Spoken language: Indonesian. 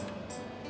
bukan beli selop